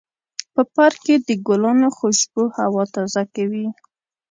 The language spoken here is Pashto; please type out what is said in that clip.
په پارک کې د ګلانو خوشبو هوا تازه کوي.